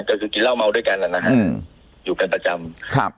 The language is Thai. ก็คือกินเหล้าเมาด้วยกันนะฮะอยู่กันประจำครับ